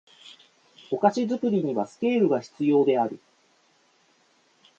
お菓子作りにはスケールが必要である